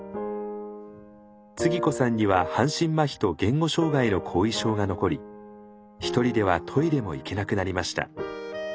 つぎ子さんには半身まひと言語障害の後遺症が残り一人ではトイレも行けなくなりました。